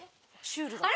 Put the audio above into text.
シュールだ。